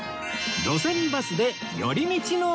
『路線バスで寄り道の旅』